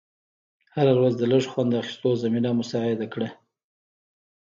هره ورځ د لیږ خوند اخېستو زمینه مساعده کړه.